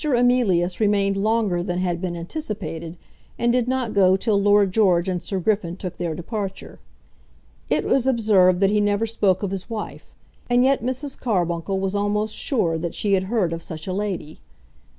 Emilius remained longer than had been anticipated, and did not go till Lord George and Sir Griffin took their departure. It was observed that he never spoke of his wife; and yet Mrs. Carbuncle was almost sure that she had heard of such a lady.